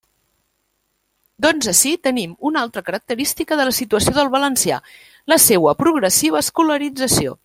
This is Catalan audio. Doncs ací tenim una altra característica de la situació del valencià: la seua progressiva escolarització.